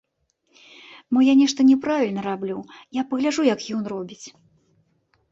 Мо я нешта няправільна раблю, я пагляджу як ён робіць.